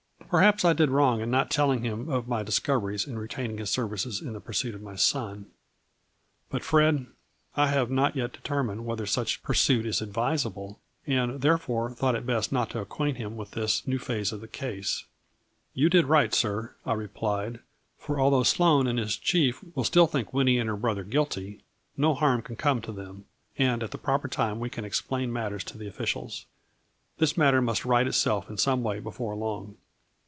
" Perhaps I did wrong in not telling him of my discoveries and retaining his services in the pursuit of my son, but, Fred, I have not yet de termined whether such pursuit is advisable, and, therefore, thought it best not to acquaint him with this new phase of the case." "You did right, sir," I replied, "for, although Sloane and his chief will still think Winnie and her brother guilty, no harm can come to them, A1FLUREY. IN DIAMONDS. 129 and at the proper time we can explain matters to the officials. This matter must right itself in some way before long."